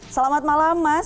selamat malam mas